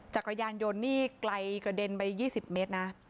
จักรยานยนต์นี่ไกลกระเด็นไป๒๐เมตรนะ